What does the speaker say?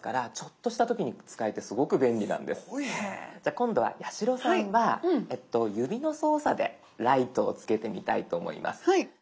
今度は八代さんは指の操作でライトをつけてみたいと思います。